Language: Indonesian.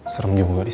serem juga di sini